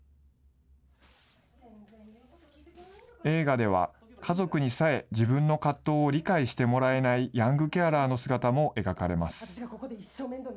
映画では、家族にさえ自分の葛藤を理解してもらえないヤングケアラーの姿も描かれます。